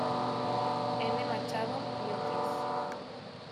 N. Machado y otros.